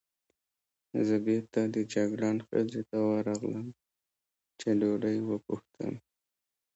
زه بېرته د جګړن خزې ته ورغلم، چې ډوډۍ وپوښتم.